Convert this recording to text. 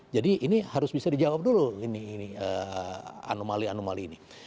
ini harus bisa dijawab dulu ini anomali anomali ini